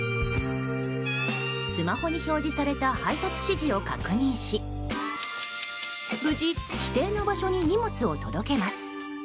スマホに表示された配達指示を確認し無事、指定の場所に荷物を届けます。